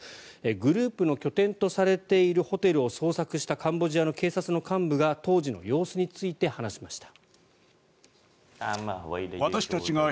グループの拠点とされているホテルを捜索したカンボジアの警察の幹部が当時の様子について話しました。